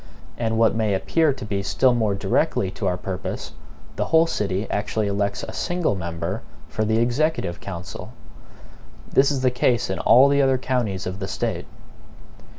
And what may appear to be still more directly to our purpose, the whole city actually elects a SINGLE MEMBER for the executive council. This is the case in all the other counties of the State.